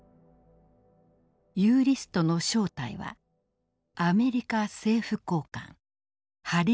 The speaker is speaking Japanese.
ユーリストの正体はアメリカ政府高官ハリー・ホワイト。